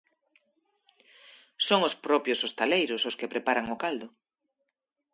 Son os propios hostaleiros os que preparan o caldo.